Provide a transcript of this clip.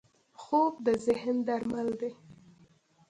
خوب د ذهن درمل دی